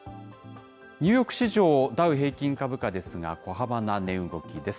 ニューヨーク市場ダウ平均株価ですが、小幅な値動きです。